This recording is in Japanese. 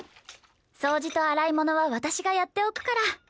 掃除と洗い物は私がやっておくから。